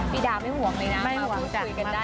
พี่ดายไม่ห่วงเลยนะไม่ห่วงคุยกันได้คุยกันได้